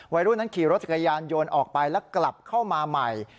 วัยรุ่นนั้นขี่รถจักรยานยนต์ออกไปแล้วกลับเข้ามาใหม่